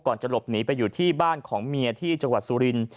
จะหลบหนีไปอยู่ที่บ้านของเมียที่จังหวัดสุรินทร์